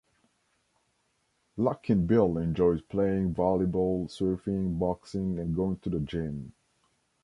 Luckinbill enjoys playing volleyball, surfing, boxing and going to the gym.